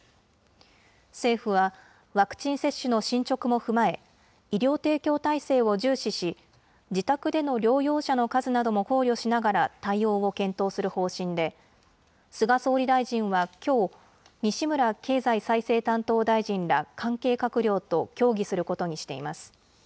政府は、ワクチン接種の進捗も踏まえ、医療提供体制を重視し、自宅での療養者の数なども考慮しながら対応を検討する方針で、菅総理大臣はきょう、西村経済再生担当大臣ら関係閣僚と協議することにしています。